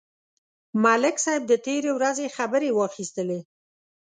ملک صاحب د تېرې ورځې خبرې واخیستلې.